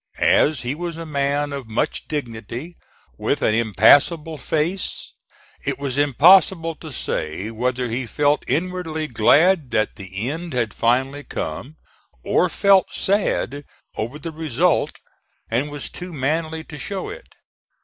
As he was a man of much dignity, with an impassible face, it was impossible to say whether he felt inwardly glad that the end had finally come, or felt sad over the result, and was too manly to show it.